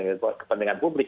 dengan kepentingan publik